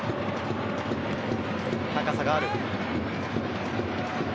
高さがある。